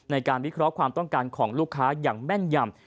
ในการวิเคราะห์ความต้องการของลูกค้าอย่างแม่นยำ